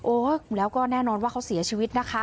แล้วก็แน่นอนว่าเขาเสียชีวิตนะคะ